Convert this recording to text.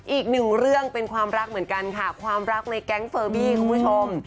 อีกหนึ่งเรื่องเป็นความรักเหมือนกันค่ะความรักในแก๊งเฟอร์บี้คุณผู้ชม